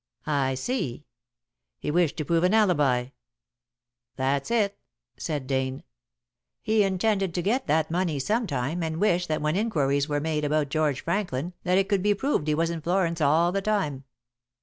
"I see. He wished to prove an alibi." "That's it," said Dane. "He intended to get that money sometime, and wished that when inquiries were made about George Franklin that it could be proved he was in Florence all the time."